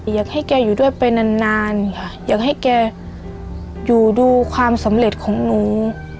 อยากให้แกอยู่ด้วยไปนานนานอยากให้แกอยู่ดูความสำเร็จของหนู